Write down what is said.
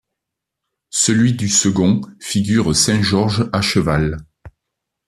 Celui du second figure saint George à cheval.